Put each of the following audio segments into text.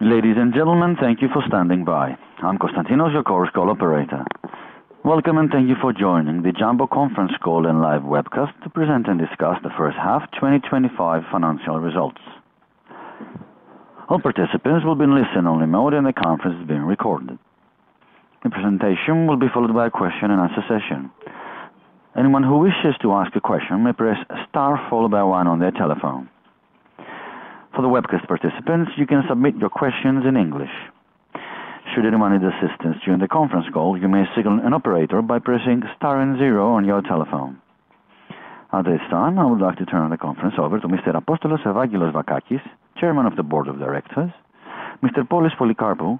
Ladies and gentlemen, thank you for standing by. I'm Konstantinos, your course Call 0perator. Welcome and thank you for joining the Jumbo Conference Call and live webcast to present and discuss the First Half 2025 Financial Results. All participants will be in listen-only mode, and the conference is being recorded. The presentation will be followed by a question and answer session. Anyone who wishes to ask a question may press star followed by one on their telephone. For the webcast participants, you can submit your questions in English. Should anyone need assistance during the conference call, you may signal an operator by pressing star and zero on your telephone. At this time, I would like to turn the conference over to Mr. Apostolos-Evangelos Vakakis, Chairman of the Board, Mr. Polys Polycarpou,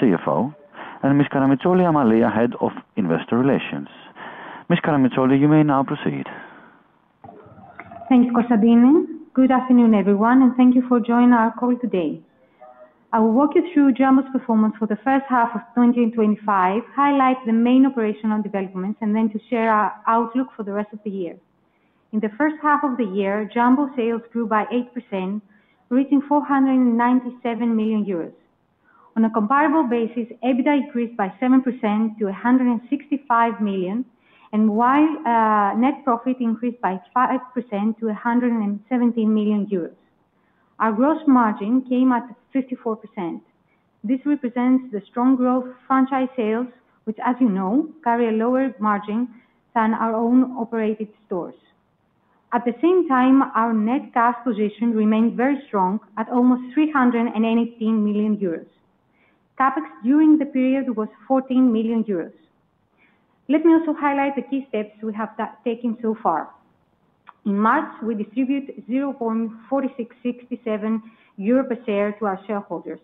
CFO, and Ms. Amalia Karamitsoli, Head of Investor Relations. Ms. Karamitsoli, you may now proceed. Thanks, Kostantini. Good afternoon, everyone, and thank you for joining our call today. I will walk you through Jumbo's performance for the first half of 2025, highlight the main operational developments, and then share our outlook for the rest of the year. In the first half of the year, Jumbo sales grew by 8%, reaching 497 million euros. On a comparable basis, EBITDA increased by 7% to 165 million, and net profit increased by 5% to 117 million euros. Our gross margin came at 54%. This represents the strong growth of franchise sales, which, as you know, carry a lower margin than our own operated stores. At the same time, our net cash position remained very strong at almost 318 million euros. CapEx during the period was 14 million euros. Let me also highlight the key steps we have taken so far. In March, we distributed 0.4667 euro per share to our shareholders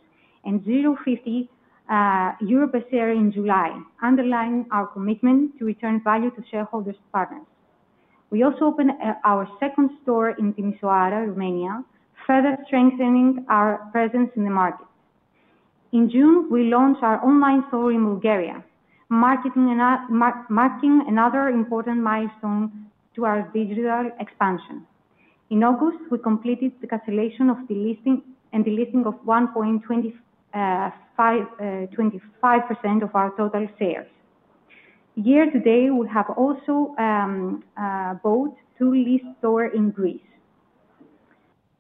and 0.50 euro per share in July, underlining our commitment to return value to shareholder partners. We also opened our second store in Timișoara, Romania, further strengthening our presence in the market. In June, we launched our online store in Bulgaria, marking another important milestone in our digital expansion. In August, we completed the cancellation of the listing and the listing of 1.25% of our total sales. Here today, we have also bought two leased stores in Greece.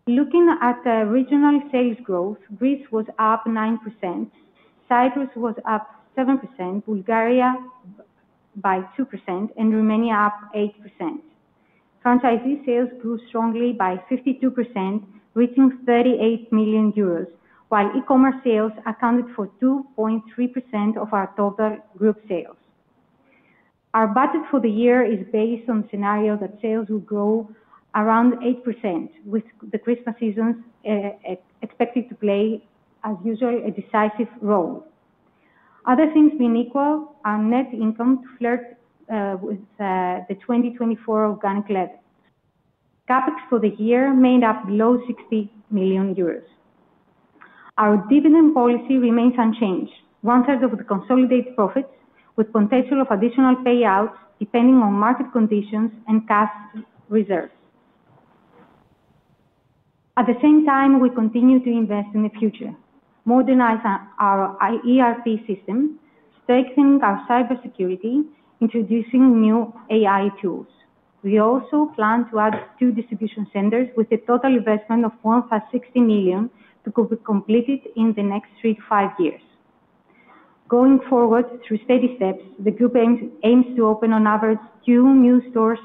Looking at regional sales growth, Greece was up 9%, Cyprus was up 7%, Bulgaria by 2%, and Romania up 8%. Franchise sales grew strongly by 52%, reaching 38 million euros, while e-commerce sales accounted for 2.3% of our total group sales. Our budget for the year is based on the scenario that sales will grow around 8%, with the Christmas season expected to play, as usual, a decisive role. Other things being equal, our net income flirts with the 2024 organic level. CapEx for the year made up below 60 million euros. Our dividend policy remains unchanged, one-third of the consolidated profits, with the potential of additional payouts depending on market conditions and cash reserve. At the same time, we continue to invest in the future, modernizing our ERP system, strengthening our cybersecurity, and introducing new AI tools. We also plan to add two distribution centers with a total investment of 160 million to be completed in the next three to five years. Going forward through steady steps, the group aims to open on average two new stores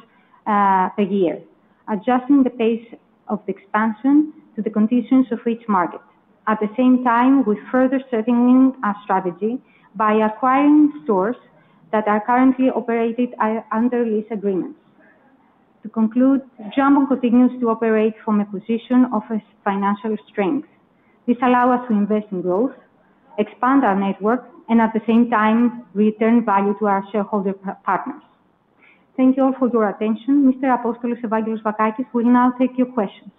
per year, adjusting the pace of the expansion to the conditions of each market. At the same time, we further strengthen our strategy by acquiring stores that are currently operated under lease agreements. To conclude, Jumbo continues to operate from a position of financial strength. This allows us to invest in growth, expand our network, and at the same time, return value to our shareholder partners. Thank you all for your attention. Mr. Apostolos-Evangelos Vakakis, we will now take your questions.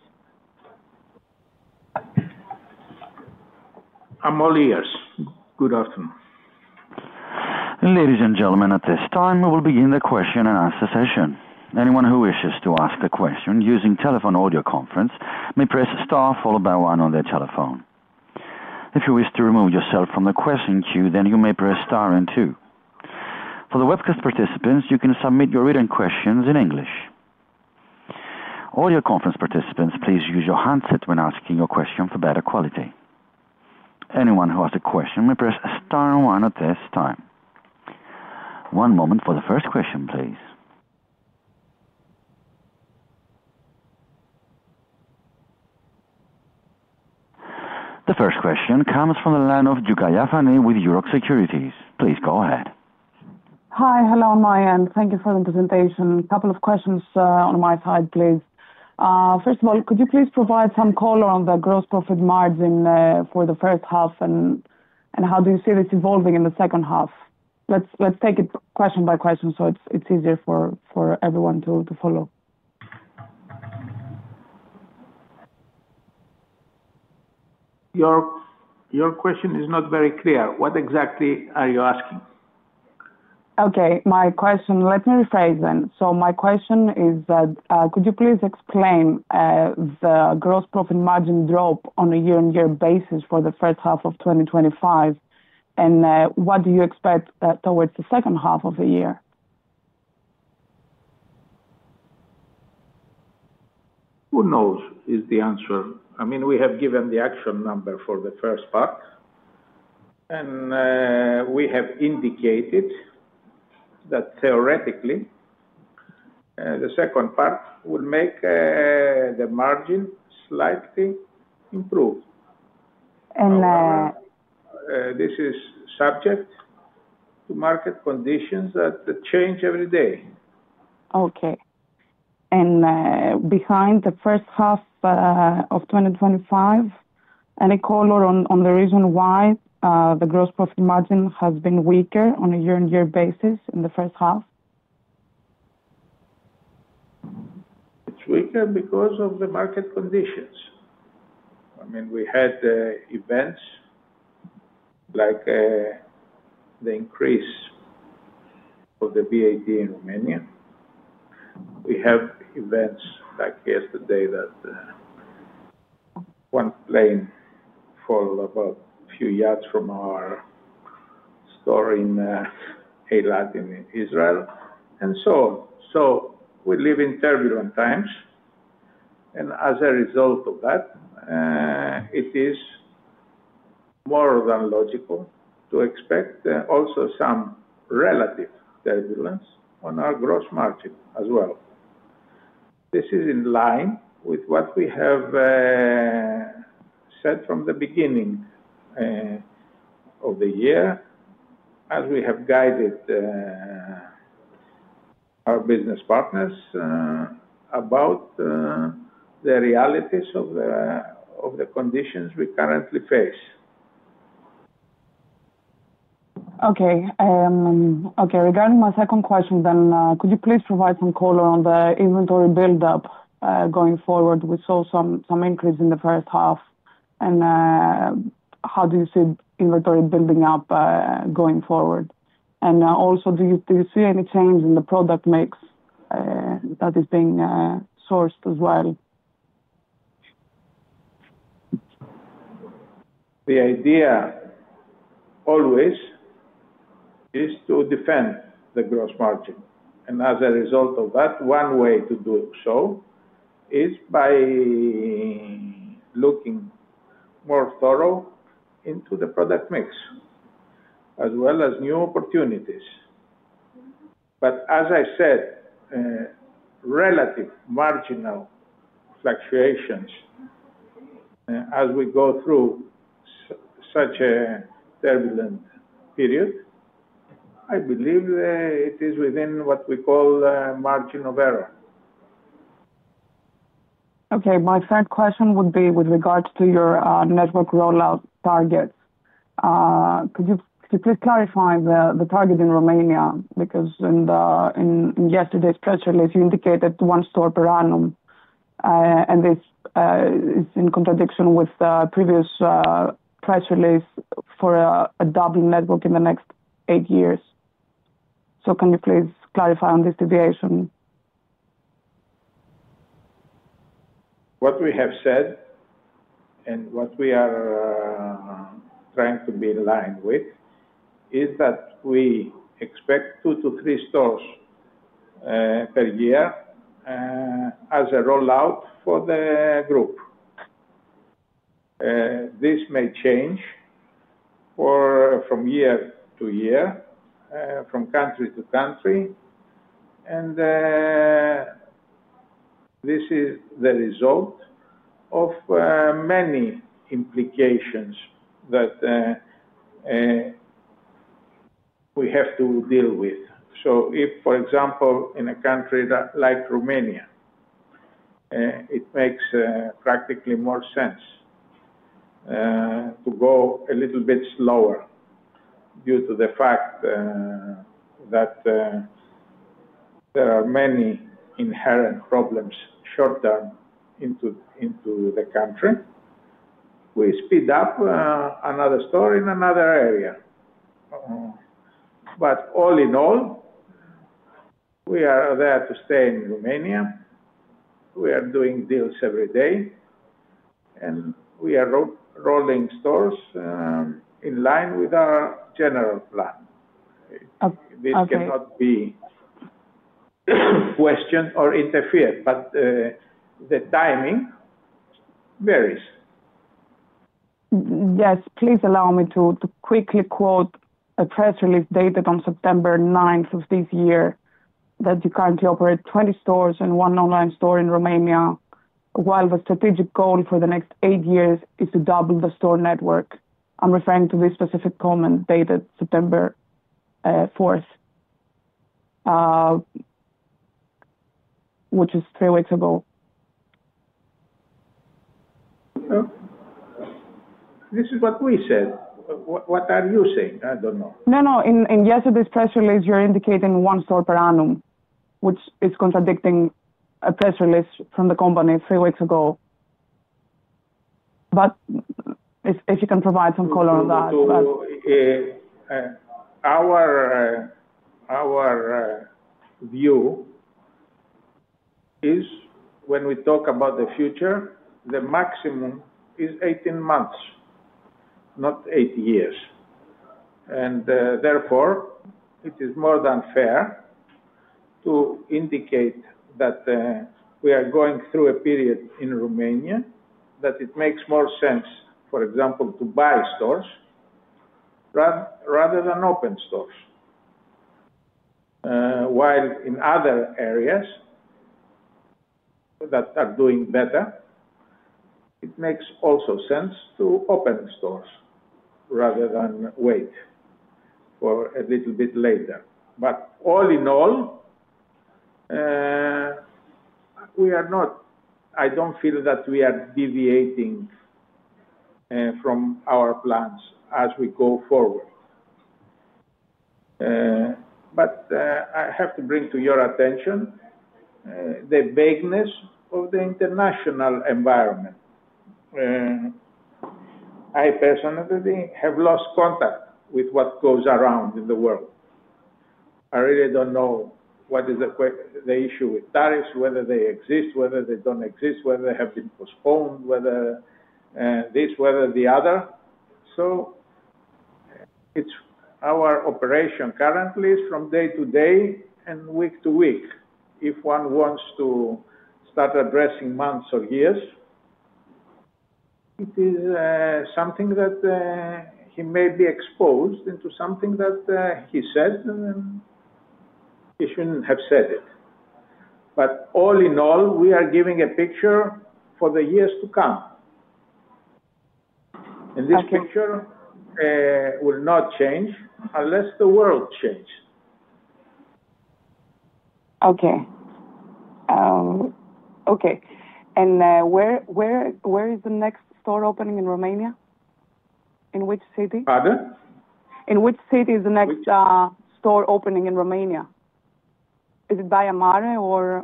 Amalia, good afternoon. Ladies and gentlemen, at this time, we will begin the question and answer session. Anyone who wishes to ask a question using telephone audio conference may press star followed by one on their telephone. If you wish to remove yourself from the question queue, then you may press star and two. For the webcast participants, you can submit your written questions in English. Audio conference participants, please use your handset when asking your question for better quality. Anyone who has a question may press star and one at this time. One moment for the first question, please. The first question comes from the line of Giovanni Sabatini with Euro Securities. Please go ahead. Hi, hello on my end. Thank you for the presentation. A couple of questions on my side, please. First of all, could you please provide some color on the gross profit margin for the first half and how do you see this evolving in the second half? Let's take it question by question so it's easier for everyone to follow. Your question is not very clear. What exactly are you asking? Okay, my question, let me rephrase then. My question is that could you please explain the gross profit margin drop on a year on year basis for the first half of 2025, and what do you expect towards the second half of the year? Who knows is the answer. I mean, we have given the actual number for the first part, and we have indicated that theoretically the second part will make the margin slightly improved. And. This is subject to market conditions that change every day. Okay. Behind the first half of 2025, any color on the reason why the gross profit margin has been weaker on a year on year basis in the first half? It's weaker because of the market conditions. I mean, we had events like the increase of the VAT in Romania. We have events like yesterday that one plane fell about a few yards from our store in Eilat, in Israel, and so on. We live in turbulent times, and as a result of that, it is more than logical to expect also some relative turbulence on our gross margin as well. This is in line with what we have said from the beginning of the year as we have guided our business partners about the realities of the conditions we currently face. Okay, regarding my second question, could you please provide some color on the inventory buildup going forward? We saw some increase in the first half. How do you see inventory building up going forward? Also, do you see any change in the product mix that is being sourced as well? The idea always is to defend the gross margin. As a result of that, one way to do so is by looking more thoroughly into the product mix as well as new opportunities. As I said, relative marginal fluctuations as we go through such a turbulent period, I believe it is within what we call margin of error. Okay. My third question would be with regards to your network rollout targets. Could you please clarify the target in Romania? Because in yesterday's press release, you indicated one store per annum, and this is in contradiction with the previous press release for a double network in the next eight years. Could you please clarify on this deviation? What we have said and what we are trying to be aligned with is that we expect two to three stores per year as a rollout for the group. This may change from year to year, from country to country, and this is the result of many implications that we have to deal with. For example, in a country like Romania, it makes practically more sense to go a little bit slower due to the fact that there are many inherent problems shorter into the country. We speed up another store in another area. All in all, we are there to stay in Romania. We are doing deals every day, and we are rolling stores in line with our general plan. This cannot be questioned or interfered, but the timing varies. Yes, please allow me to quickly quote a press release dated September 9th of this year that you currently operate 20 stores and one online store in Romania, while the strategic goal for the next eight years is to double the store network. I'm referring to this specific comment dated September 4th, which is three weeks ago. This is what we said. What are you saying? I don't know. No, no. In yesterday's press release, you're indicating one store per annum, which is contradicting a press release from the company three weeks ago. If you can provide some color on that. Our view is when we talk about the future, the maximum is 18 months, not eight years. Therefore, it is more than fair to indicate that we are going through a period in Romania that it makes more sense, for example, to buy stores rather than open stores. While in other areas that are doing better, it makes also sense to open stores rather than wait for a little bit later. All in all, we are not, I don't feel that we are deviating from our plans as we go forward. I have to bring to your attention the vagueness of the international environment. I personally have lost contact with what goes around in the world. I really don't know what is the issue with tariffs, whether they exist, whether they don't exist, whether they have been postponed, whether this, whether the other. Our operation currently is from day to day and week to week. If one wants to start addressing months or years, it is something that he may be exposed into something that he says and then he shouldn't have said it. All in all, we are giving a picture for the years to come. This picture will not change unless the world changes. Okay. Okay. Where is the next store opening in Romania? In which city? Pardon? In which city is the next store opening in Romania? Is it Baia Mare or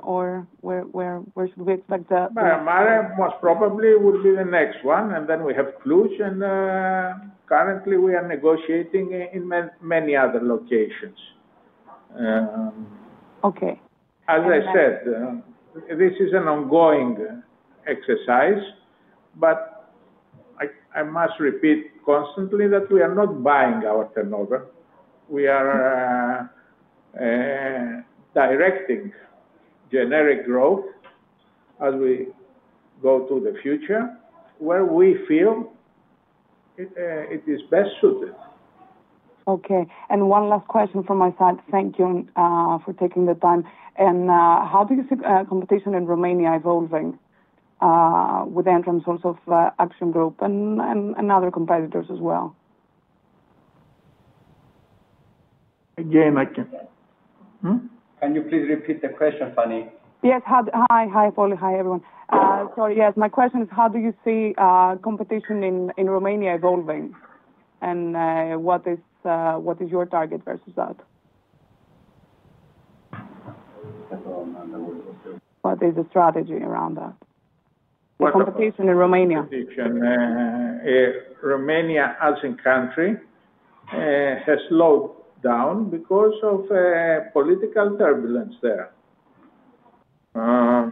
where should we expect the? Baia Mare most probably would be the next one, then we have Cluj. Currently, we are negotiating in many other locations. Okay. As I said, this is an ongoing exercise. I must repeat constantly that we are not buying our turnover. We are directing generic growth as we go to the future where we feel it is best suited. Okay. One last question from my side. Thank you for taking the time. How do you see competition in Romania evolving with the entrance also of Action Group and other competitors as well? Can you please repeat the question, Funny? Yes. Hi, Apostolos. Hi, everyone. Sorry. My question is, how do you see competition in Romania evolving? What is your target versus that? What is the strategy around that? What competition? Competition in Romania. Competition. Romania as a country has slowed down because of political turbulence there. The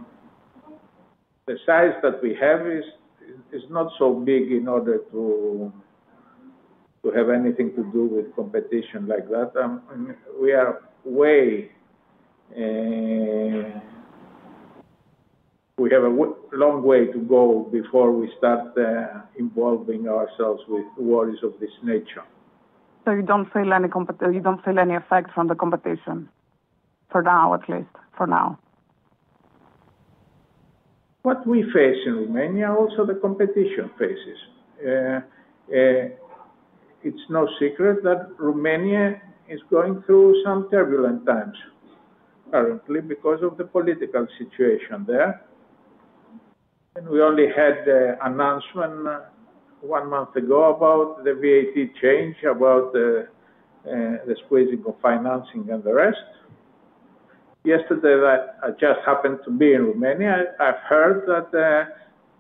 size that we have is not so big in order to have anything to do with competition like that. We have a long way to go before we start involving ourselves with worries of this nature. You don't feel any effect from the competition for now, at least for now? What we face in Romania, also the competition faces. It's no secret that Romania is going through some turbulent times currently because of the political situation there. We only had the announcement one month ago about the VAT change, about the squeezing of financing and the rest. Yesterday, I just happened to be in Romania. I've heard that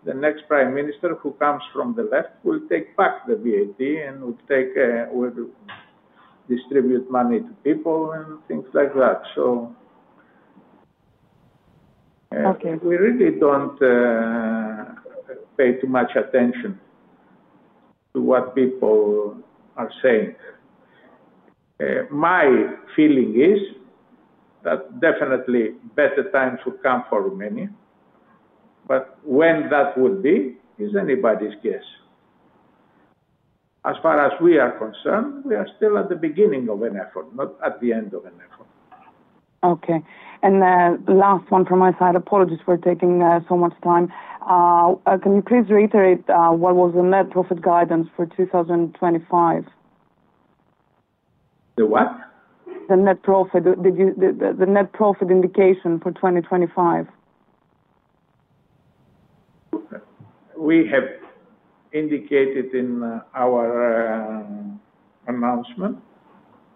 the next prime minister who comes from the left will take back the VAT and will distribute money to people and things like that. Okay. We really don't pay too much attention to what people are saying. My feeling is that definitely better times would come for Romania. When that would be is anybody's guess. As far as we are concerned, we are still at the beginning of an effort, not at the end of an effort. Okay. The last one from my side. Apologies for taking so much time. Can you please reiterate what was the net profit guidance for 2025? The what? The net profit indication for 2025. We have indicated in our announcement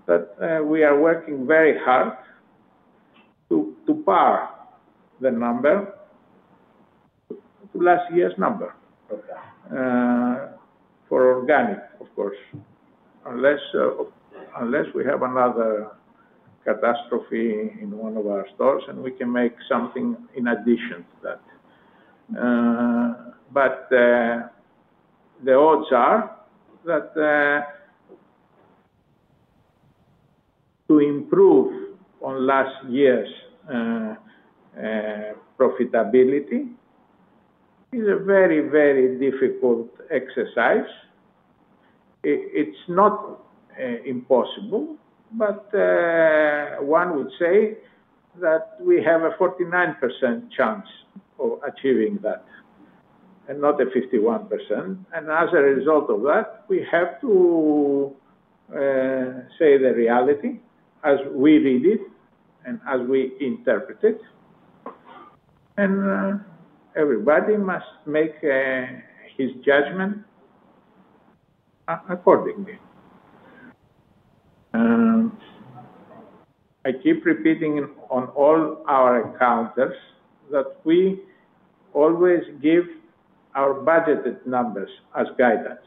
that we are working very hard to par the number to last year's number for organic, of course, unless we have another catastrophe in one of our stores and we can make something in addition to that. The odds are that to improve on last year's profitability is a very, very difficult exercise. It's not impossible, but one would say that we have a 49% chance of achieving that and not a 51%. As a result of that, we have to say the reality as we read it and as we interpret it. Everybody must make his judgment accordingly. I keep repeating on all our encounters that we always give our budgeted numbers as guidance.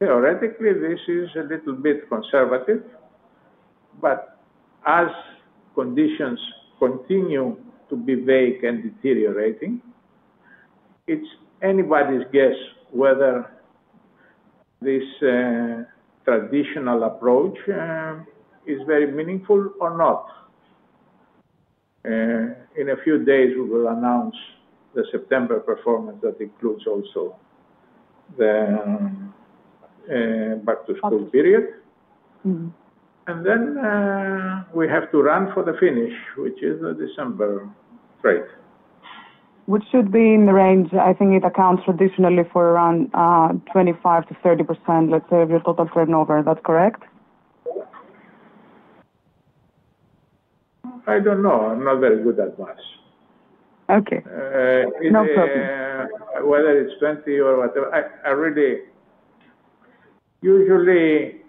Theoretically, this is a little bit conservative. As conditions continue to be vague and deteriorating, it's anybody's guess whether this traditional approach is very meaningful or not. In a few days, we will announce the September performance that includes also the back-to-school period. We have to run for the finish, which is the December trade. Which should be in the range. I think it accounts traditionally for around 25%-30%, let's say, of your total turnover. Is that correct? I don't know. I'm not very good at math. Okay, no problem. Whether it's 20 or whatever, I really usually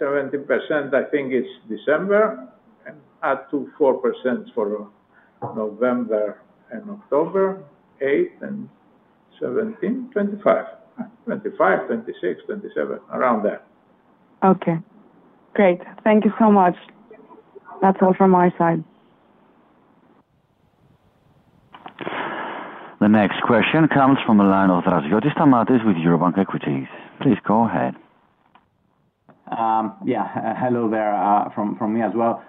70%. I think it's December, and up to 4% for November and October, 8th and 17th, 25, 25, 26, 27, around there. Okay. Great. Thank you so much. That's all from my side. The next question comes from the line of Stamatis Draziotis with Eurobank Equities. Please go ahead. Hello there from me as well.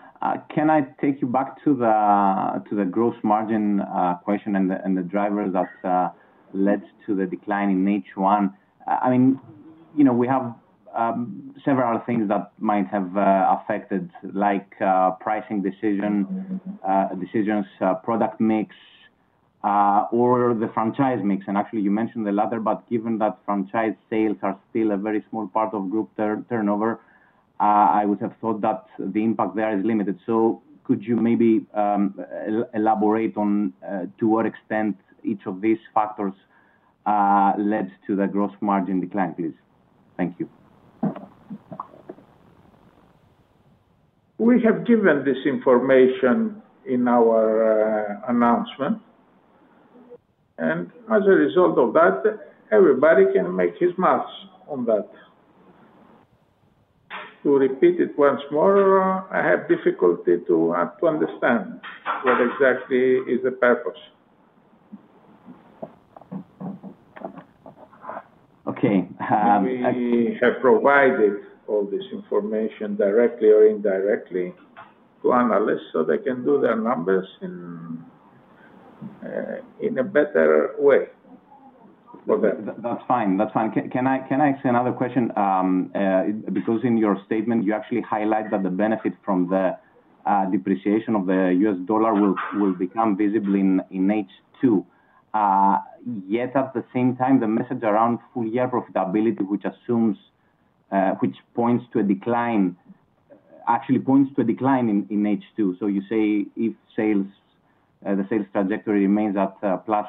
Can I take you back to the gross margin question and the drivers that led to the decline in H1? I mean, you know we have several things that might have affected, like pricing decisions, product mix, or the franchise mix. You mentioned the latter. Given that franchise sales are still a very small part of group turnover, I would have thought that the impact there is limited. Could you maybe elaborate on to what extent each of these factors led to the gross margin decline, please? Thank you. We have given this information in our announcement. As a result of that, everybody can make his maths on that. To repeat it once more, I have difficulty to understand what exactly is the purpose. Okay. We have provided all this information directly or indirectly to analysts, so they can do their numbers in a better way for them. That's fine. That's fine. Can I ask another question? In your statement, you actually highlight that the benefit from the depreciation of the U.S. dollar will become visible in H2. Yet at the same time, the message around full-year profitability, which points to a decline, actually points to a decline in H2. You say if the sales trajectory remains at plus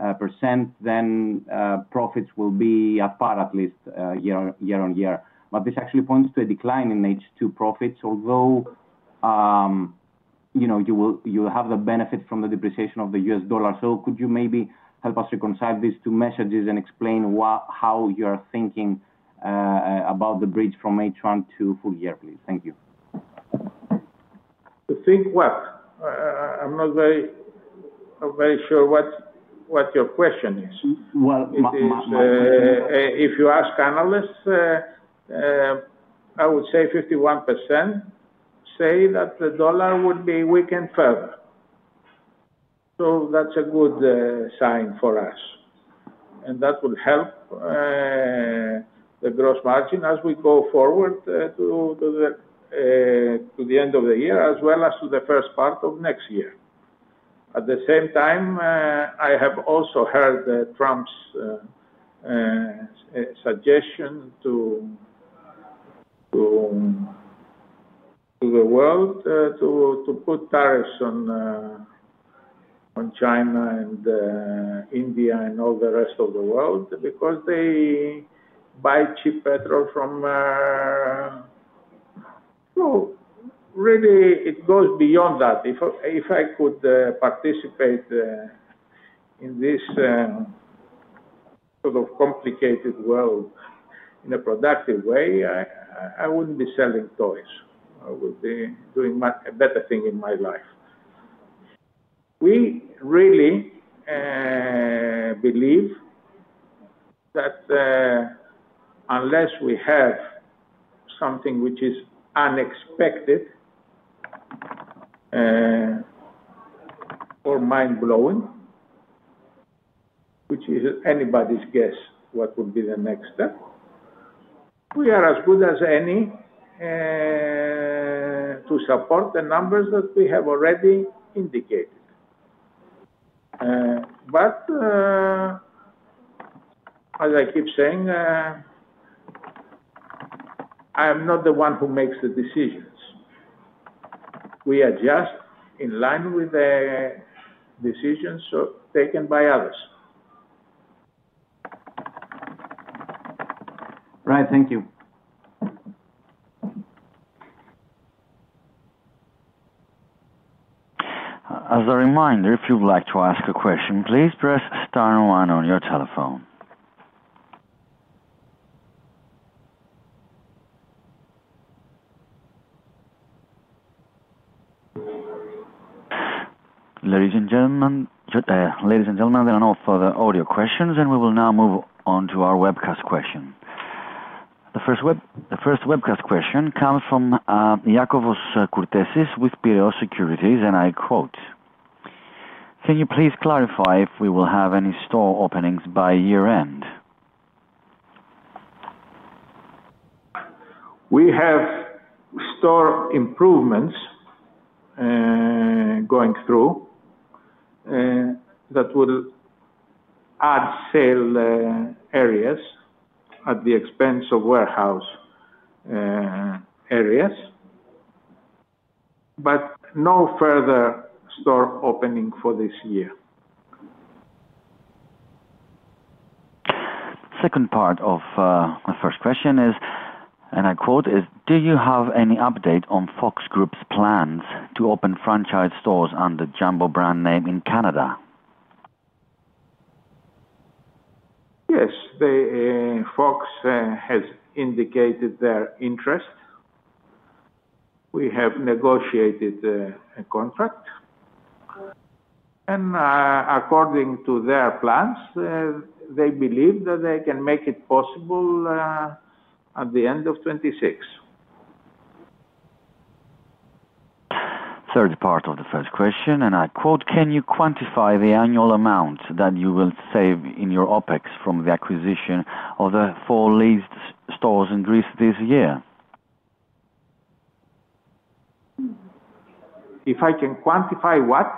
8%, then profits will be at par, at least year on year. This actually points to a decline in H2 profits, although you will have the benefit from the depreciation of the U.S. dollar. Could you maybe help us reconcile these two messages and explain how you are thinking about the bridge from H1 to full year, please? Thank you. I'm not very sure what your question is. Well. If you ask analysts, I would say 51% say that the dollar would be weakened further. That's a good sign for us, and that will help the gross margin as we go forward to the end of the year, as well as to the first part of next year. At the same time, I have also heard Trump's suggestion to the world to put tariffs on China and India and all the rest of the world because they buy cheap petrol from, no, really, it goes beyond that. If I could participate in this sort of complicated world in a productive way, I wouldn't be selling toys. I would be doing a better thing in my life. We really believe that unless we have something which is unexpected or mind-blowing, which is anybody's guess what would be the next step, we are as good as any to support the numbers that we have already indicated. As I keep saying, I am not the one who makes the decisions. We adjust in line with the decisions taken by others. Right. Thank you. As a reminder, if you would like to ask a question, please press star and one on your telephone. Ladies and gentlemen, they are now for the audio questions, and we will now move on to our webcast question. The first webcast question comes from Iakovos Kourtesis with Piraeus Securities, and I quote, "Can you please clarify if we will have any store openings by year-end? We have store improvements going through that will add sale areas at the expense of warehouse areas, but no further store opening for this year. Second part of my first question is, and I quote, "Do you have any update on Fox Group's plans to open franchise stores under Jumbo brand name in Canada? Yes. Fox has indicated their interest. We have negotiated a contract, and according to their plans, they believe that they can make it possible at the end of 2026. Third part of the first question, and I quote, "Can you quantify the annual amount that you will save in your OpEx from the acquisition of the four leased stores in Greece this year? If I can quantify what?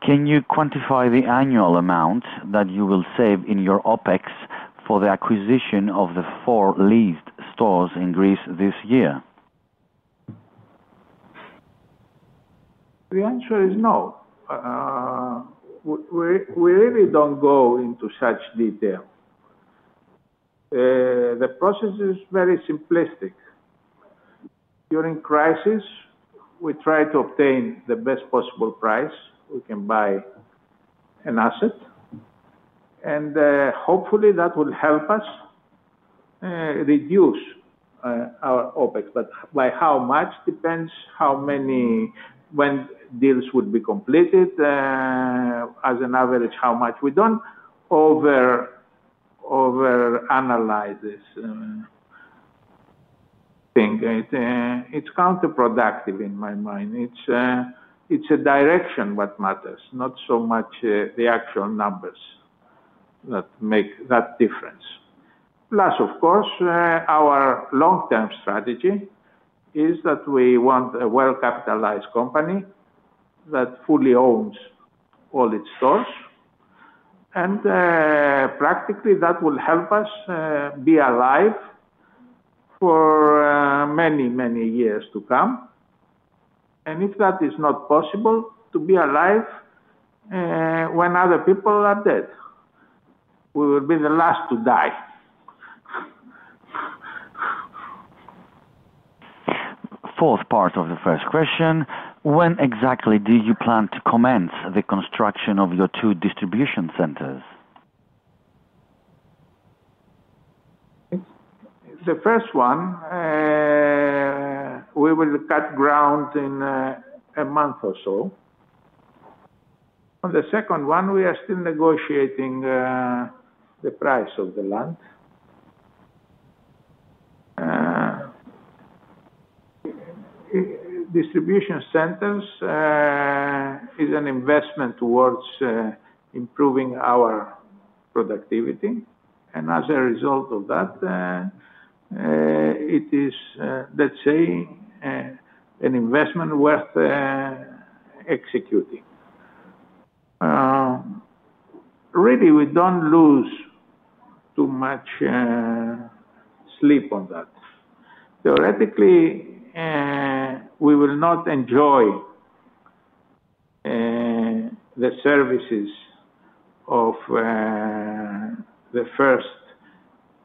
Can you quantify the annual amount that you will save in your OpEx for the acquisition of the four leased stores in Greece this year? The answer is no. We really don't go into such detail. The process is very simplistic. During crisis, we try to obtain the best possible price we can buy an asset. Hopefully, that will help us reduce our OpEx. By how much depends how many, when deals would be completed. As an average, how much, we don't overanalyze this thing. It's counterproductive in my mind. It's a direction that matters, not so much the actual numbers that make that difference. Plus, of course, our long-term strategy is that we want a well-capitalized company that fully owns all its stores. Practically, that will help us be alive for many, many years to come. If that is not possible, to be alive when other people are dead, we will be the last to die. Fourth part of the first question, when exactly do you plan to commence the construction of your two distribution centers? The first one, we will cut ground in a month or so. On the second one, we are still negotiating the price of the land. Distribution centers is an investment towards improving our productivity, and as a result of that, it is, let's say, an investment worth executing. Really, we don't lose too much sleep on that. Theoretically, we will not enjoy the services of the first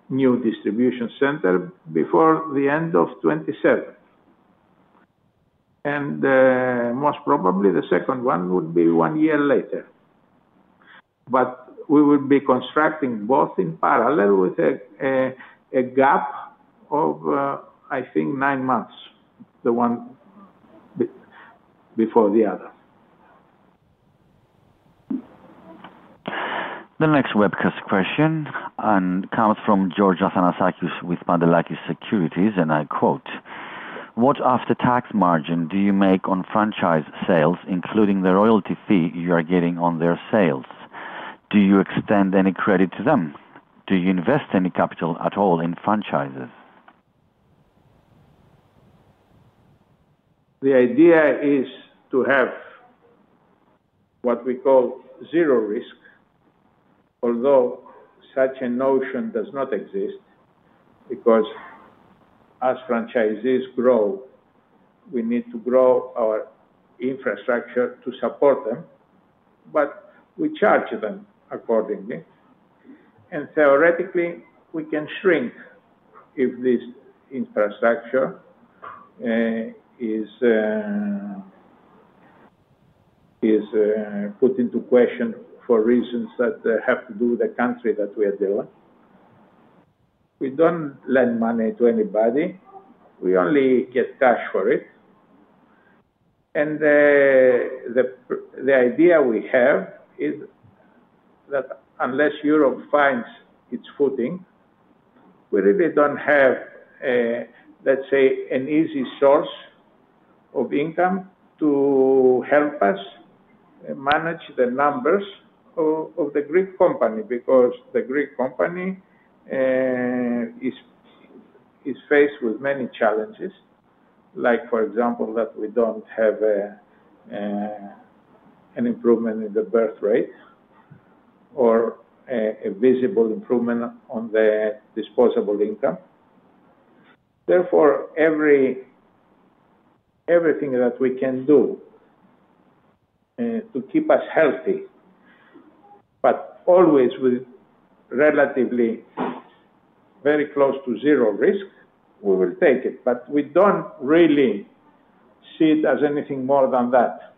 new distribution center before the end of 2027. Most probably, the second one would be one year later. We will be constructing both in parallel with a gap of, I think, nine months, the one before the other. The next webcast question comes from George Athanasakis with Pantelakis Securities, and I quote, "What after-tax margin do you make on franchise sales, including the royalty fee you are getting on their sales? Do you extend any credit to them? Do you invest any capital at all in franchises? The idea is to have what we call zero risk, although such a notion does not exist because as franchisees grow, we need to grow our infrastructure to support them. We charge them accordingly. Theoretically, we can shrink if this infrastructure is put into question for reasons that have to do with the country that we are dealing with. We don't lend money to anybody. We only get cash for it. The idea we have is that unless Europe finds its footing, we really don't have, let's say, an easy source of income to help us manage the numbers of the Greek company because the Greek company is faced with many challenges, like, for example, that we don't have an improvement in the birth rate or a visible improvement on the disposable income. Therefore, everything that we can do to keep us healthy, but always with relatively, very close to zero risk, we will take it. We don't really see it as anything more than that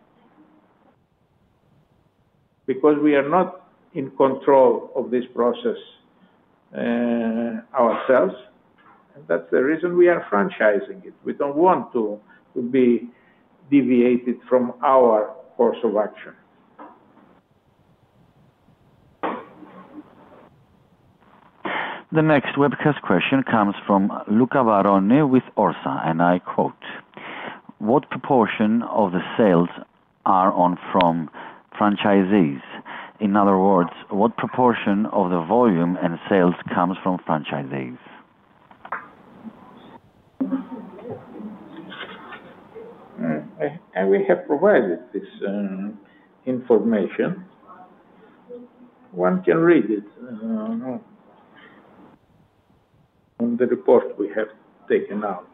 because we are not in control of this process ourselves. That's the reason we are franchising it. We don't want to be deviated from our course of action. The next webcast question comes from Luca Barone with Orsa, and I quote, "What proportion of the sales are from franchisees? In other words, what proportion of the volume and sales comes from franchisees? We have provided this information. One can read it in the report we have taken out.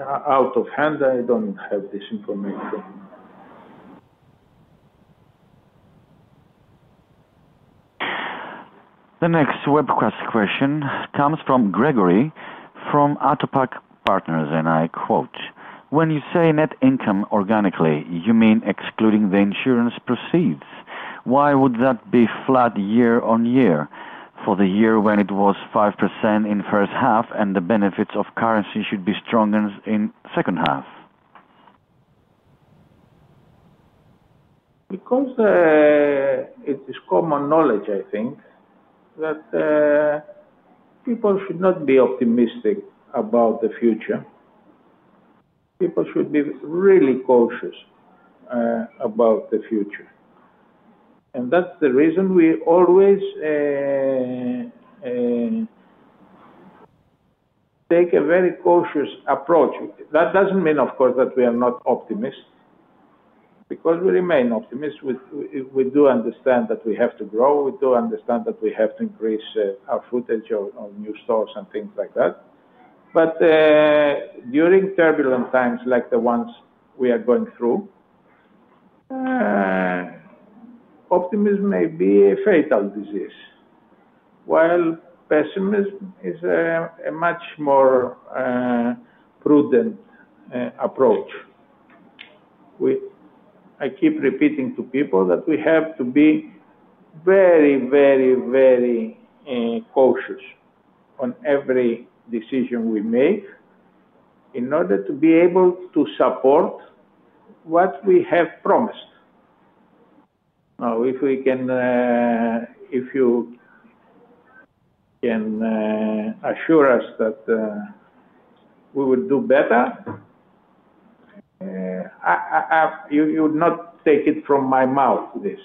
Out of hand, I don't have this information. The next webcast question comes from Gregory from Atopac Partners, and I quote, "When you say net income organically, you mean excluding the insurance proceeds? Why would that be flat year on year for the year when it was 5% in the first half and the benefits of currency should be stronger in the second half? Because it is common knowledge, I think, that people should not be optimistic about the future. People should be really cautious about the future. That's the reason we always take a very cautious approach. That doesn't mean, of course, that we are not optimists because we remain optimists. We do understand that we have to grow. We do understand that we have to increase our footage of new stores and things like that. During turbulent times like the ones we are going through, optimism may be a fatal disease, while pessimism is a much more prudent approach. I keep repeating to people that we have to be very, very, very cautious on every decision we make in order to be able to support what we have promised. If you can assure us that we would do better, you would not take it from my mouth, this.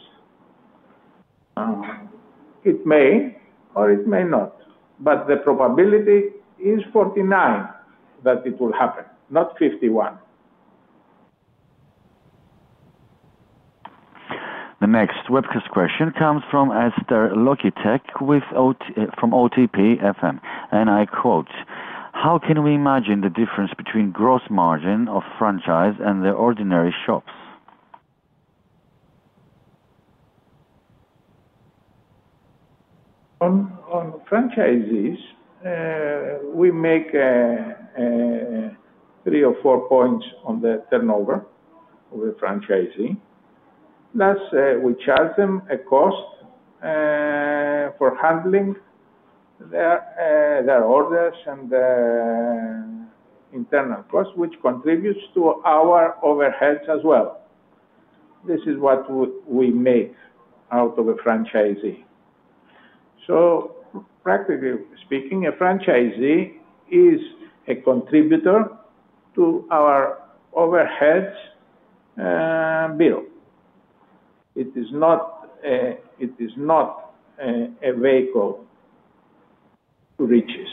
It may or it may not, but the probability is 49% that it will happen, not 51%. The next webcast question comes from Esther Lokitek from OTP FM, and I quote, "How can we imagine the difference between gross margin of franchise and the ordinary shop? On franchisees, we make three or four points on the turnover of the franchisee. Plus, we charge them a cost for handling their orders and the internal cost, which contributes to our overheads as well. This is what we make out of a franchisee. Practically speaking, a franchisee is a contributor to our overheads bill. It is not a vehicle to riches.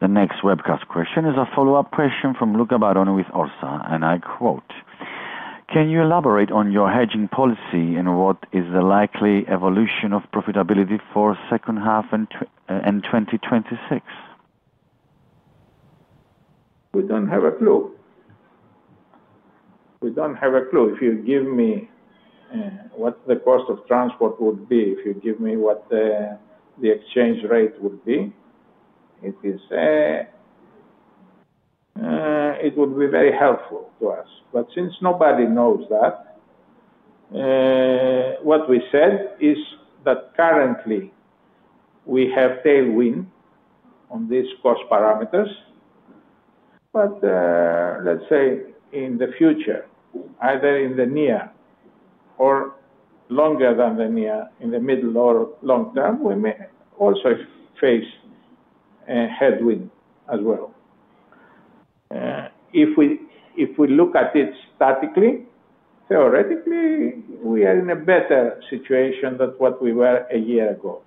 The next webcast question is a follow-up question from Luca Barone with Orsa, and I quote, "Can you elaborate on your hedging policy and what is the likely evolution of profitability for the second half in 2026? We don't have a clue. We don't have a clue. If you give me what the cost of transport would be, if you give me what the exchange rate would be, it would be very helpful to us. Since nobody knows that, what we said is that currently we have tailwind on these cost parameters. Let's say in the future, either in the near or longer than the near, in the middle or long term, we may also face a headwind as well. If we look at it statically, theoretically, we are in a better situation than what we were a year ago.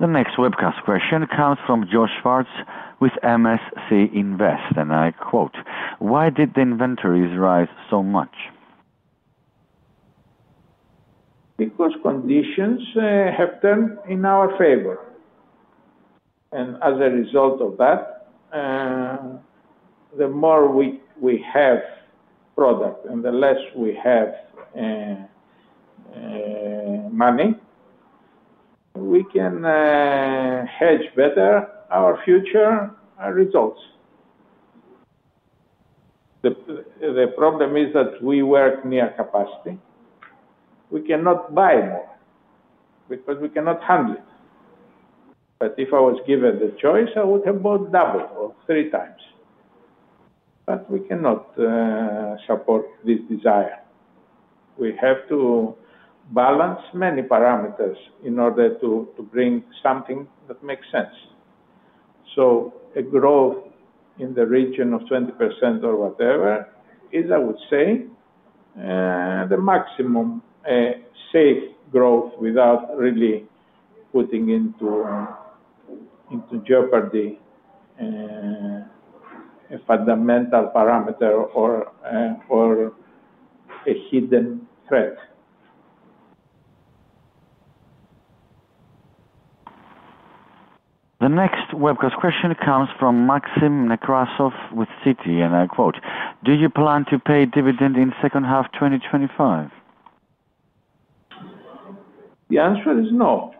The next webcast question comes from Josh Schwartz with MSC Invest, and I quote, "Why did the inventories rise so much? Because conditions have turned in our favor. As a result of that, the more we have product and the less we have money, we can hedge better our future results. The problem is that we work near capacity. We cannot buy them because we cannot handle it. If I was given the choice, I would have bought double or three times. We cannot support this desire. We have to balance many parameters in order to bring something that makes sense. A growth in the region of 20% or whatever is, I would say, the maximum safe growth without really putting into jeopardy a fundamental parameter or a hidden threat. The next webcast question comes from Maxim Nekrasov with Citi, and I quote, "Do you plan to pay dividend in the second half of 2025? The answer is no.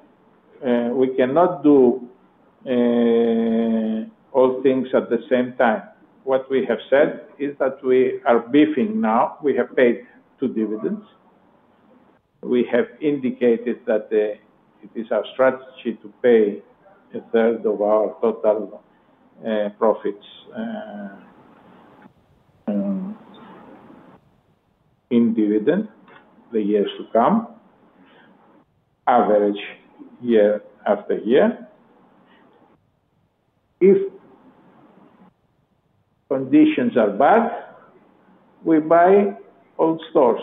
We cannot do all things at the same time. What we have said is that we are beefing now. We have paid two dividends. We have indicated that it is our strategy to pay a third of our total profits in dividend the years to come, average year after year. If conditions are bad, we buy old stores.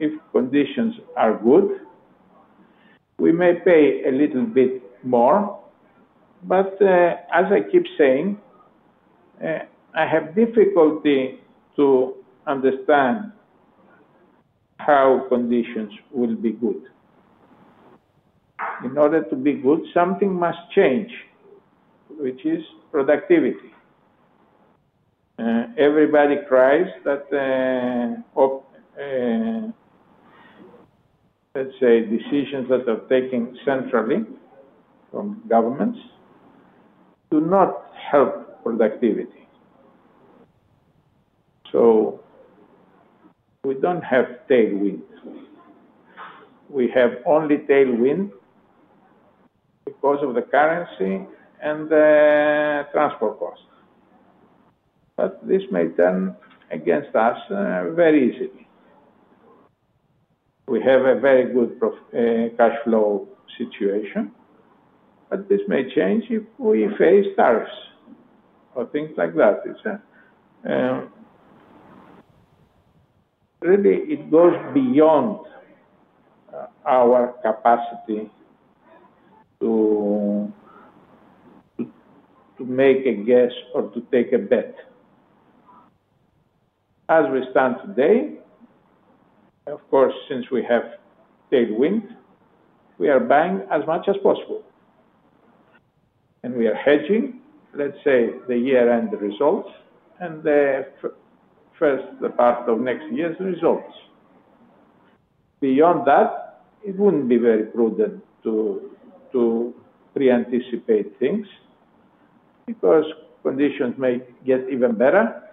If conditions are good, we may pay a little bit more. As I keep saying, I have difficulty to understand how conditions will be good. In order to be good, something must change, which is productivity. Everybody cries that, let's say, decisions that are taken centrally from governments do not help productivity. We don't have tailwind. We have only tailwind because of the currency and the transport cost. This may turn against us very easily. We have a very good cash flow situation, but this may change if we face tariffs or things like that. It goes beyond our capacity to make a guess or to take a bet. As we stand today, of course, since we have tailwind, we are buying as much as possible. We are hedging, let's say, the year-end results and the first part of next year's results. Beyond that, it wouldn't be very prudent to pre-anticipate things because conditions may get even better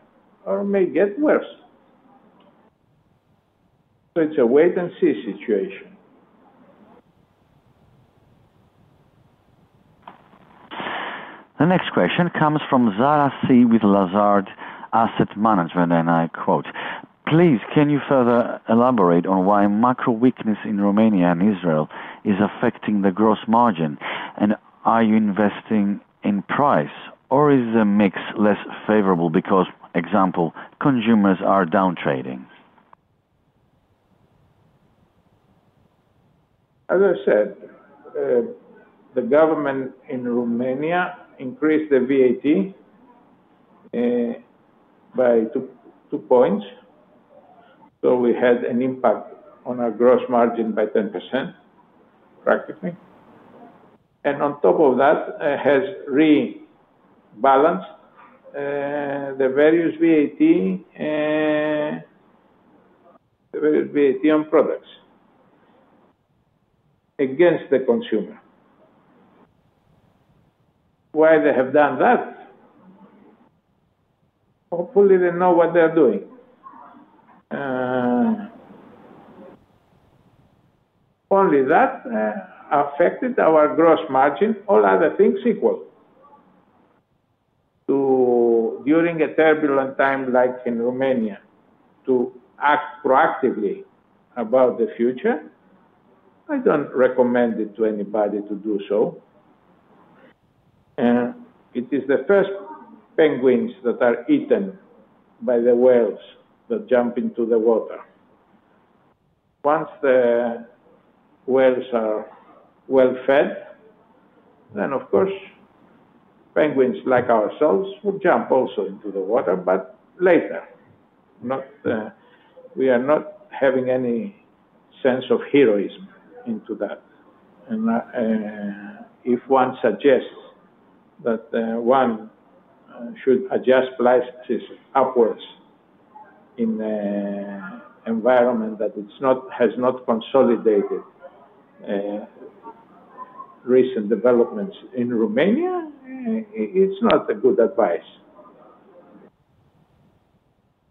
or may get worse. It's a wait-and-see situation. The next question comes from Zara C. with Lazard Asset Management, and I quote, "Please, can you further elaborate on why macro weakness in Romania and Israel is affecting the gross margin? Are you investing in price, or is the mix less favorable because, for example, consumers are down trading? As I said, the government in Romania increased the VAT by two points. We had an impact on our gross margin by 10%, practically. On top of that, it has rebalanced the various VAT on products against the consumer. Why they have done that? Hopefully, they know what they're doing. Only that affected our gross margin, all other things equal. During a turbulent time like in Romania, to ask proactively about the future, I don't recommend it to anybody to do so. It is the first penguins that are eaten by the whales that jump into the water. Once the whales are well-fed, then, of course, penguins like ourselves would jump also into the water, but later. We are not having any sense of heroism into that. If one suggests that one should adjust plasticity upwards in an environment that has not consolidated recent developments in Romania, it's not a good advice.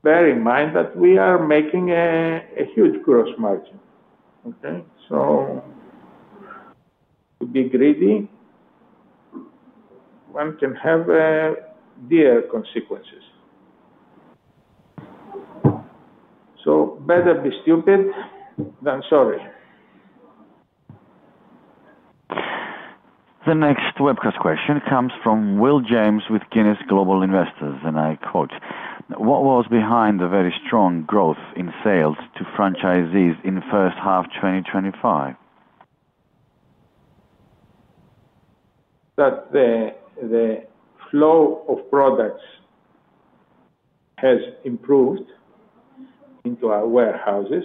Bear in mind that we are making a huge gross margin. Okay? To be greedy, one can have dear consequences. Better be stupid than sorry. The next webcast question comes from Will James with Guinness Global Investors, and I quote, "What was behind the very strong growth in sales to franchisees in the first half of 2025? The flow of products has improved into our warehouses,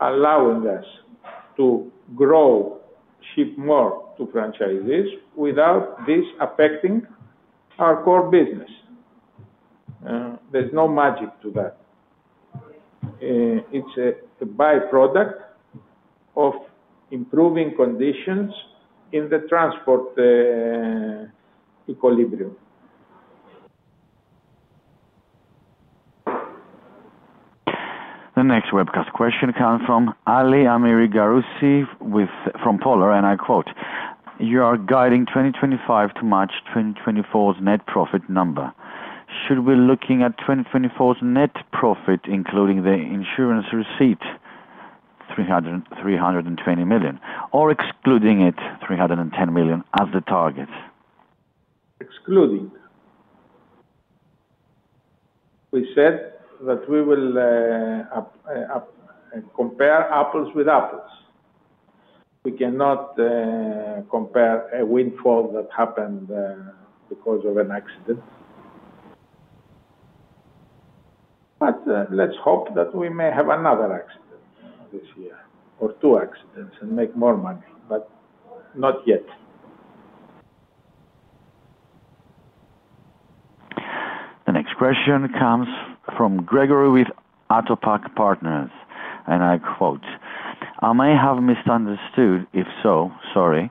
allowing us to ship more to franchisees without this affecting our core business. There's no magic to that. It's a byproduct of improving conditions in the transport equilibrium. The next webcast question comes from Ali Amiri Garroussi from Polar, and I quote, "You are guiding 2025 to match 2024's net profit number. Should we be looking at 2024's net profit, including the insurance receipt, 320 million, or excluding it, EUR 310 million, as the target? Excluding, we said that we will compare apples with apples. We cannot compare a windfall that happened because of an accident. Let's hope that we may have another accident this year or two accidents and make more money, but not yet. The next question comes from Gregory with Atopac Partners, and I quote, "I may have misunderstood. If so, sorry.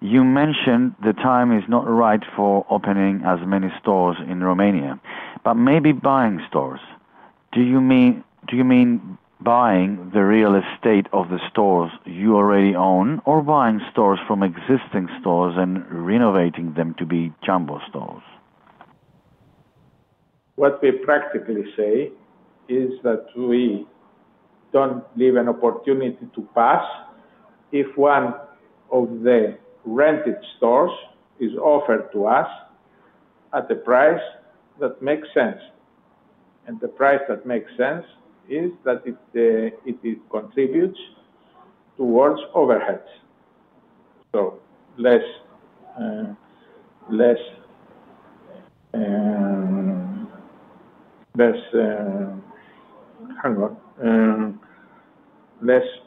You mentioned the time is not right for opening as many stores in Romania, but maybe buying stores. Do you mean buying the real estate of the stores you already own or buying stores from existing stores and renovating them to be Jumbo stores? What we practically say is that we don't leave an opportunity to pass if one of the rented stores is offered to us at a price that makes sense. The price that makes sense is that it contributes towards overheads, so less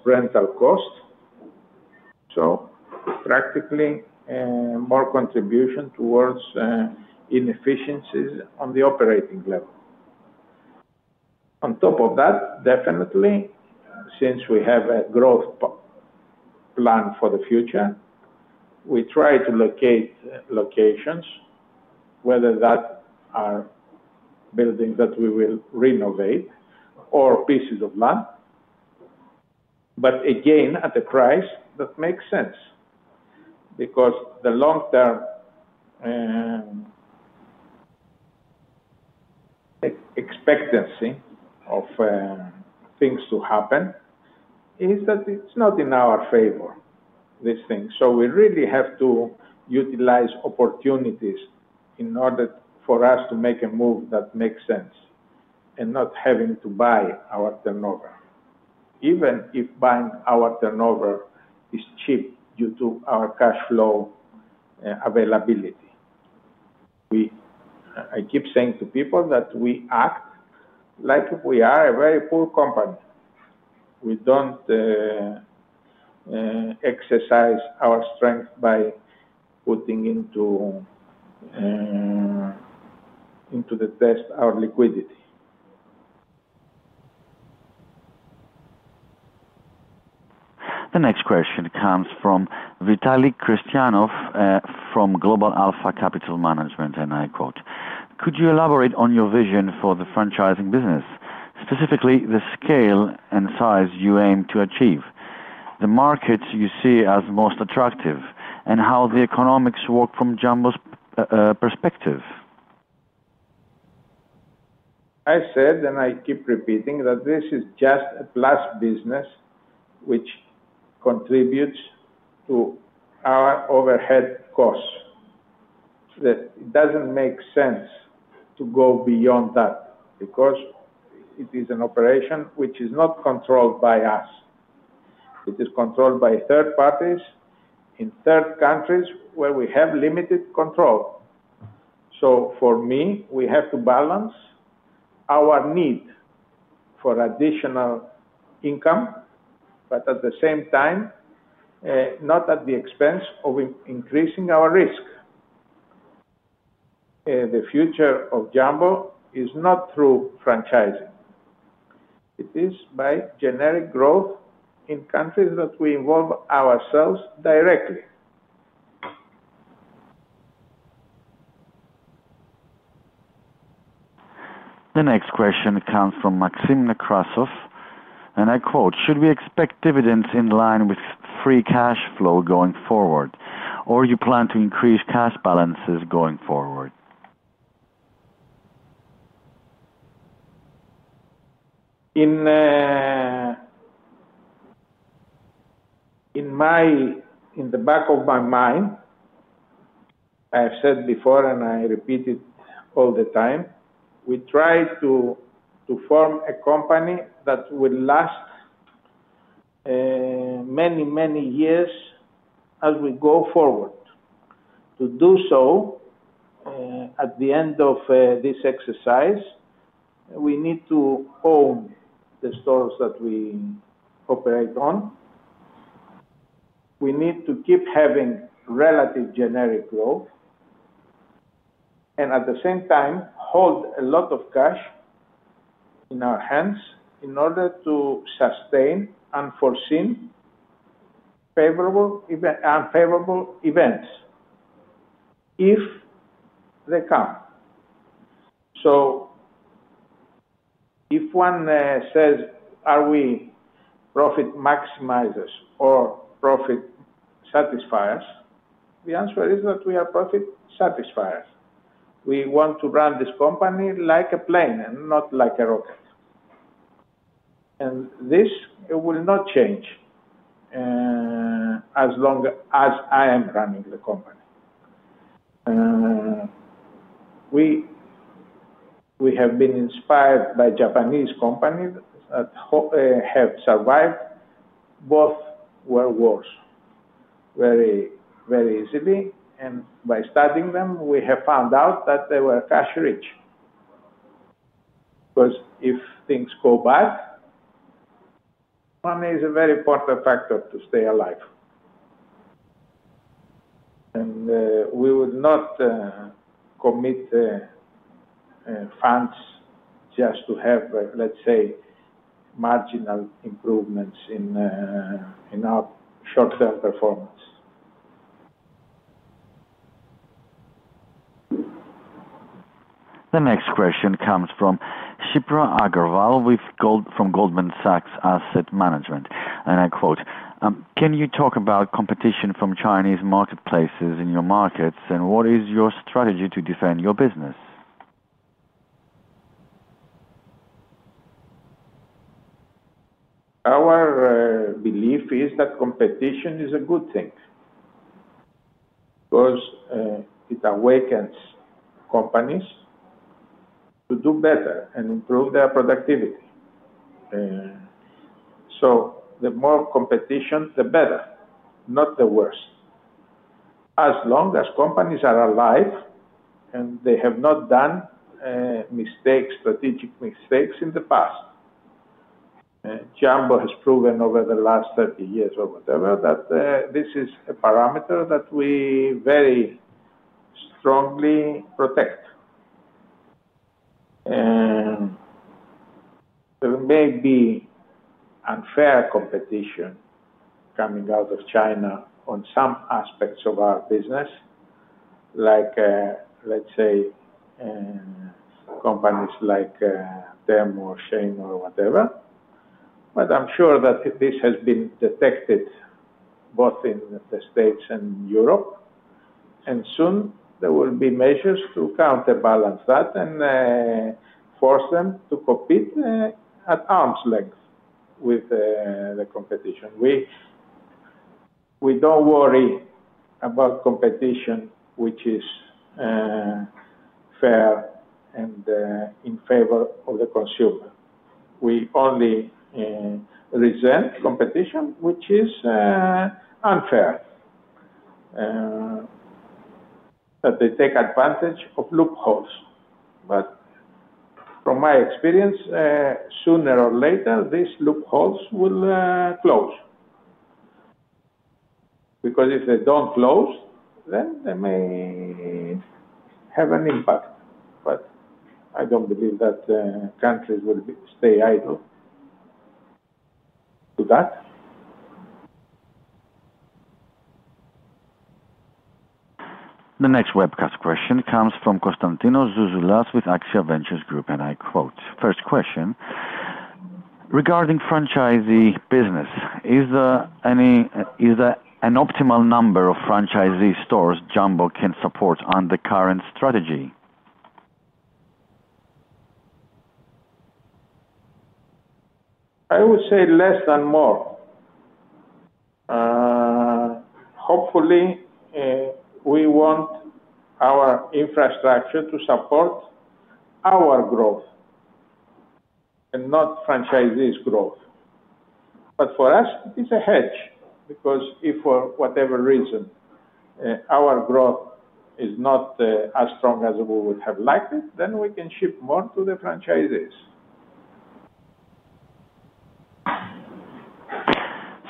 rental costs, practically more contribution towards inefficiencies on the operating level. On top of that, definitely, since we have a growth plan for the future, we try to locate locations, whether that are buildings that we will renovate or pieces of land, but again, at a price that makes sense. The long-term expectancy of things to happen is that it's not in our favor, this thing. We really have to utilize opportunities in order for us to make a move that makes sense and not having to buy our turnover, even if buying our turnover is cheap due to our cash flow availability. I keep saying to people that we act like we are a very poor company. We don't exercise our strength by putting into the test our liquidity. The next question comes from Vitalie Crestianov from Global Alpha Capital Management, and I quote, "Could you elaborate on your vision for the franchising business, specifically the scale and size you aim to achieve, the markets you see as most attractive, and how the economics work from Jumbo's perspective? I said, and I keep repeating, that this is just a plus business which contributes to our overhead costs. It doesn't make sense to go beyond that because it is an operation which is not controlled by us. It is controlled by third parties in third countries where we have limited control. For me, we have to balance our need for additional income, but at the same time, not at the expense of increasing our risk. The future of Jumbo is not through franchising. It is by generic growth in countries that we involve ourselves directly. The next question comes from Maxim Nekrasov, and I quote, "Should we expect dividends in line with free cash flow going forward, or do you plan to increase cash balances going forward? In the back of my mind, I've said before, and I repeat it all the time, we try to form a company that will last many, many years as we go forward. To do so, at the end of this exercise, we need to own the stores that we operate on. We need to keep having relative generic growth and at the same time hold a lot of cash in our hands in order to sustain unforeseen favorable events if they come. If one says, "Are we profit maximizers or profit satisfiers?" the answer is that we are profit satisfiers. We want to run this company like a plane and not like a rocket. This will not change as long as I am running the company. We have been inspired by Japanese companies that have survived both World Wars very, very easily. By studying them, we have found out that they were cash rich. If things go bad, money is a very important factor to stay alive. We will not commit funds just to have, let's say, marginal improvements in our short-term performance. The next question comes from Shipra Agarwal from Goldman Sachs Asset Management, and I quote, "Can you talk about competition from Chinese marketplaces in your markets? What is your strategy to defend your business? Our belief is that competition is a good thing because it awakens companies to do better and improve their productivity. The more competition, the better, not the worst. As long as companies are alive and they have not done strategic mistakes in the past, Jumbo has proven over the last 30 years or whatever that this is a parameter that we very strongly protect. There may be unfair competition coming out of China on some aspects of our business, like, let's say, companies like Temu or Shein or whatever. I'm sure that this has been detected both in the U.S. and Europe. Soon, there will be measures to counterbalance that and force them to compete at arm's length with the competition. We don't worry about competition which is fair and in favor of the consumer. We only reserve competition which is unfair, that they take advantage of loopholes. From my experience, sooner or later, these loopholes will close. If they don't close, then they may have an impact. I don't believe that countries will stay idle to that. The next webcast question comes from Constantinos Zouzoulas with Axia Ventures Group, and I quote, "First question, regarding franchisee business, is there an optimal number of franchisee stores Jumbo can support under the current strategy? I would say less and more. Hopefully, we want our infrastructure to support our growth and not franchisees' growth. For us, it is a hedge because if for whatever reason our growth is not as strong as we would have liked it, then we can ship more to the franchisees.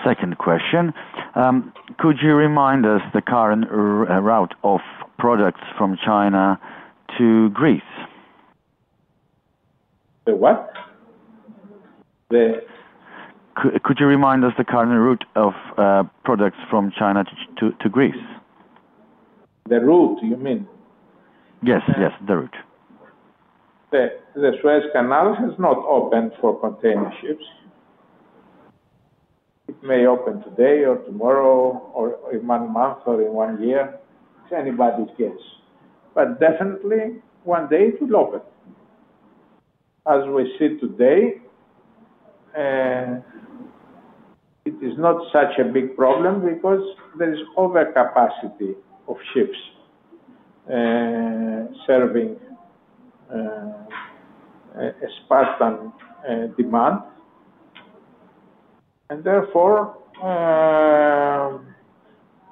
Second question, "Could you remind us the current route of products from China to Greece? The what? Could you remind us the current route of products from China to Greece? The route, you mean? Yes, yes, the route. The Suez Canal is not open for container ships. It may open today or tomorrow or in one month or in one year. It's anybody's guess. Definitely, one day it will open. As we see today, it is not such a big problem because there is overcapacity of ships serving sparse demand. Therefore,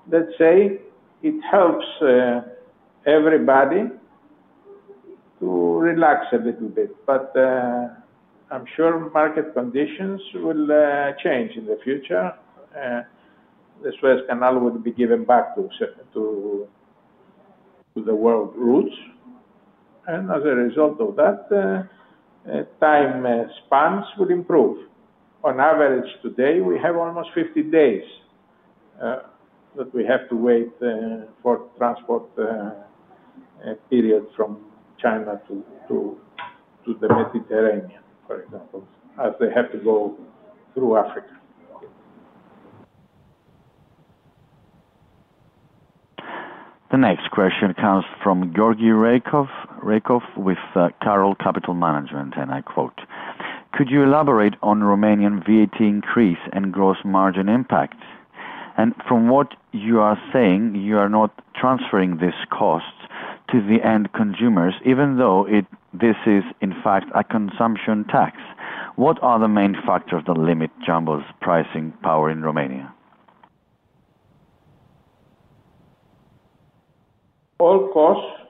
it helps everybody to relax a little bit. I'm sure market conditions will change in the future. The Suez Canal will be given back to the world routes, and as a result of that, time spans will improve. On average, today we have almost 50 days that we have to wait for transport periods from China to the Mediterranean, for example, as they have to go through Africa. The next question comes from Georgi Raykov with Karoll Capital Management, and I quote, "Could you elaborate on Romanian VAT increase and gross margin impact? From what you are saying, you are not transferring these costs to the end consumers, even though this is, in fact, a consumption tax. What are the main factors that limit Jumbo's pricing power in Romania? All costs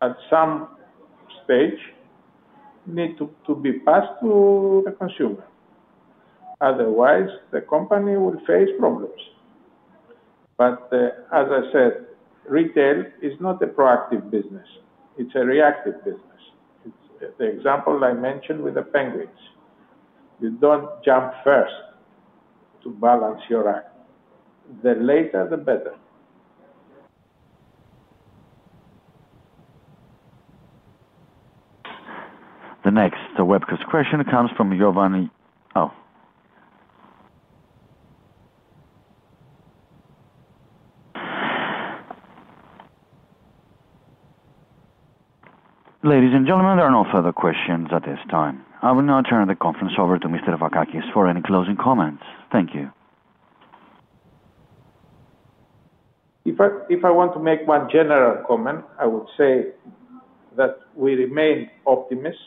at some stage need to be passed to the consumer. Otherwise, the company will face problems. As I said, retail is not a proactive business. It's a reactive business. It's the example I mentioned with the penguins. You don't jump first to balance your act. The later, the better. The next webcast question comes from Giovanni. Ladies and gentlemen, there are no further questions at this time. I will now turn the conference over to Mr. Vakakis for any closing comments. Thank you. If I want to make one general comment, I would say that we remain optimists,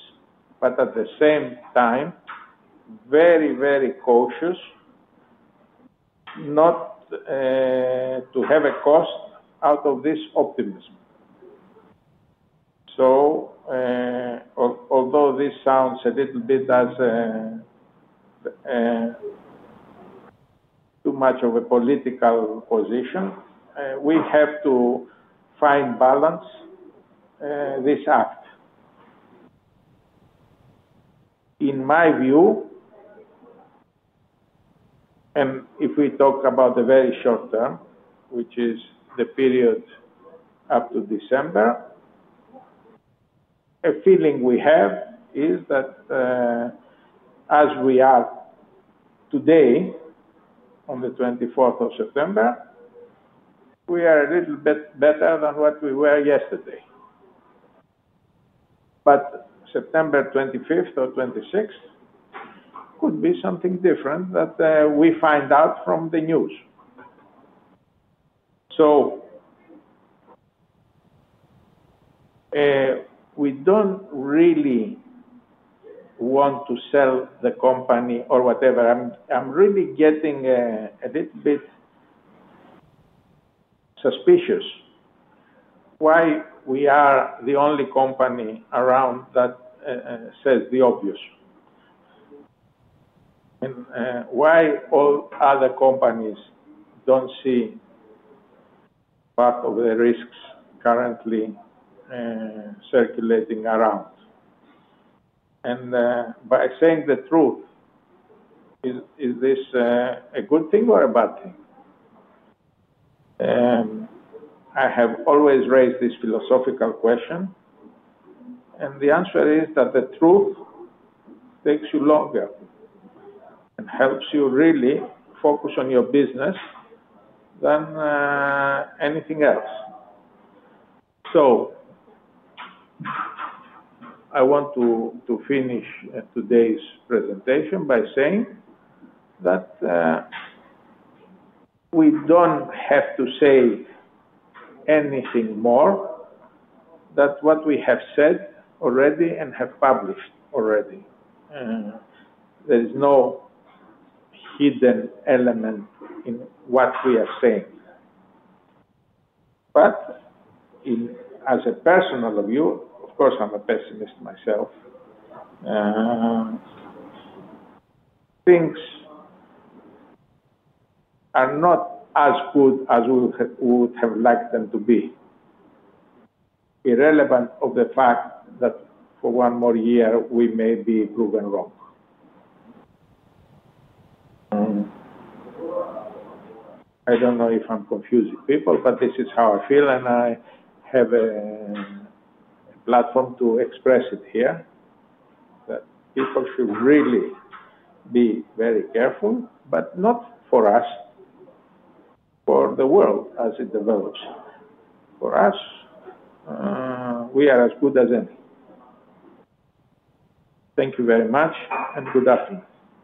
but at the same time, very, very cautious not to have a cost out of this optimism. Although this sounds a little bit as too much of a political position, we have to find balance this up. In my view, and if we talk about the very short term, which is the period up to December, a feeling we have is that as we are today on the 24th of September, we are a little bit better than what we were yesterday. September 25th or 26th could be something different that we find out from the news. We don't really want to sell the company or whatever. I'm really getting a little bit suspicious why we are the only company around that says the obvious and why all other companies don't see part of the risks currently circulating around. By saying the truth, is this a good thing or a bad thing? I have always raised this philosophical question. The answer is that the truth takes you longer and helps you really focus on your business than anything else. I want to finish today's presentation by saying that we don't have to say anything more, that what we have. There is no hidden element in what we are saying. As a personal view, of course, I'm a pessimist myself. Things are not as good as we would have liked them to be, irrelevant of the fact that for one more year we may be proven wrong. I don't know if I'm confusing people, but this is how I feel, and I have a platform to express it here, that people should really be very careful, not for us, for the world as it develops. For us, we are as good as any. Thank you very much, and good afternoon.